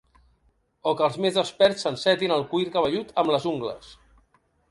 O que els més desperts s'encetin el cuir cabellut amb les ungles.